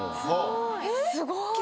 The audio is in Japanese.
すごい。